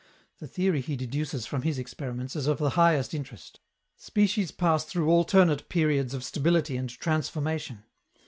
The theory he deduces from his experiments is of the highest interest. Species pass through alternate periods of stability and transformation.